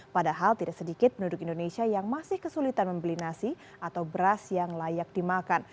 padahal tidak sedikit penduduk indonesia yang masih kesulitan membeli nasi atau beras yang layak dimakan